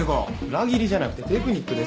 裏切りじゃなくてテクニックですよ。